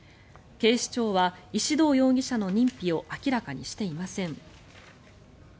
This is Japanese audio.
警視庁は石動容疑者の認否を明らかにしていません。